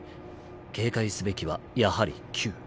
警戒すべきはやはり「Ｑ」。